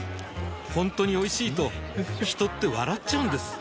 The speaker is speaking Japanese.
ほんとにおいしいと人って笑っちゃうんです